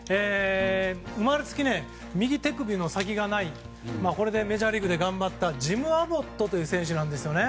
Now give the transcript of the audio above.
生まれつき右手首の先がないメジャーリーグで頑張ったジム・アボットという選手です。